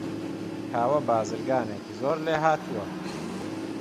کاوە بازرگانێکی زۆر لێهاتووە.